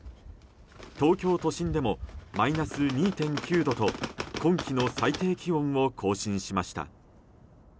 東京都心でもマイナス２．９度と今季の最低気温を更新しました。